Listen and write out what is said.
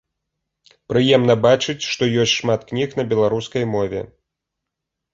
Прыемна бачыць, што ёсць шмат кніг на беларускай мове.